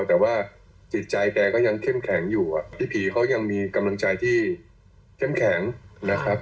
แต่ว่าจิตใจแกก็ยังเข้มแข็งอยู่พี่ผีเขายังมีกำลังใจที่เข้มแข็งนะครับ